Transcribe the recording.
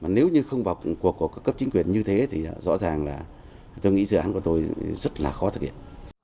nếu như không vào cuộc của các cấp chính quyền như thế thì rõ ràng là tôi nghĩ dự án của tôi rất là khó thực hiện